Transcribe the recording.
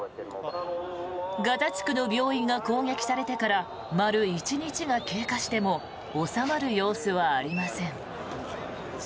ガザ地区の病院が攻撃されてから丸１日が経過しても収まる様子はありません。